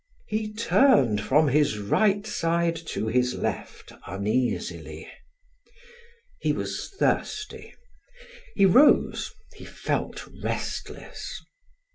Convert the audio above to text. He turned from his right side to his left uneasily. He was thirsty; he rose, he felt restless.